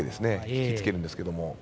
引き付けるんですけど。